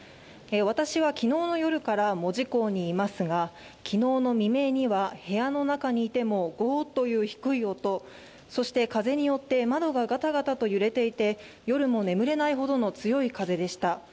私は昨日の夜から門司港にいますが昨日の未明には部屋の中にいてもゴーという低い音、そして風によって窓がガタガタと揺れていて夜も眠れないほどの強い風でした。